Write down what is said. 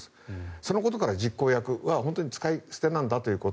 そのことから実行役は本当に使い捨てなんだということ。